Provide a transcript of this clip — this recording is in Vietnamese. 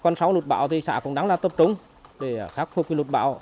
con sáu lụt bão thì xã cũng đáng là tập trung để khắc phục lụt bão